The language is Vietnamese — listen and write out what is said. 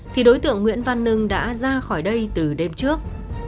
thì đối tượng nguyễn văn nưng đã ra khỏi đây từ đêm trước